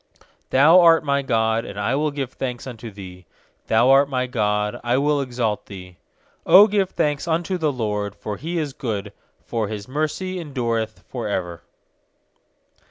28Thou art my God, and I will give thanks unto Thee; Thou art my God, I will exalt Thee. 29Q give thanks unto the LORD, for He is good, For His mercy endureth for ever.